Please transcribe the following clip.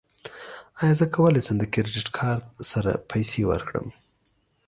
ایا زه کولی شم د کریډیټ کارت سره پیسې ورکړم؟